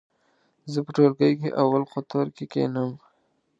زه په ټولګي کې اول قطور کې کېنم.